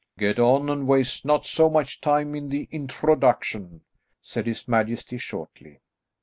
"Get on, and waste not so much time in the introduction," said his majesty shortly.